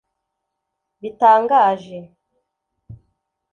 bitangaje